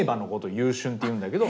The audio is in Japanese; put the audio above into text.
優駿って言うんだけど。